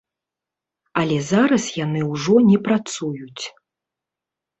Але зараз яны ўжо не працуюць.